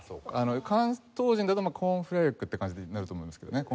関東人だと「コーンフレーク」って感じになると思うんですけどね。